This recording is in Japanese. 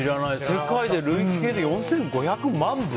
世界で累計で４５００万部。